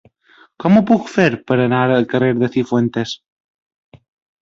Com ho puc fer per anar al carrer de Cifuentes?